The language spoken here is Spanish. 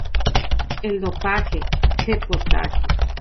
El dopaje... ¡Que potaje!